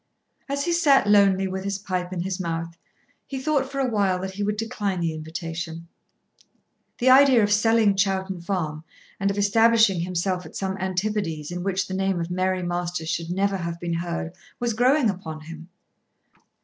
As he sat lonely with his pipe in his mouth he thought for a while that he would decline the invitation. The idea of selling Chowton Farm and of establishing himself at some Antipodes in which the name of Mary Masters should never have been heard, was growing upon him.